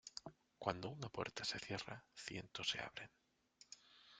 Cuando una puerta se cierra, ciento se abren.